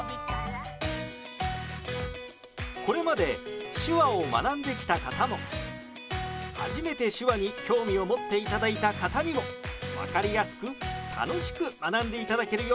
これまで手話を学んできた方も初めて手話に興味を持っていただいた方にも分かりやすく楽しく学んでいただけるよう